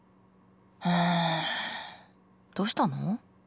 どうしたの。